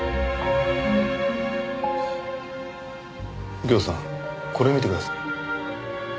右京さんこれ見てください。